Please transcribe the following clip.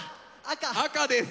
赤です。